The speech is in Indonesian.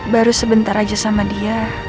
baru sebentar aja sama dia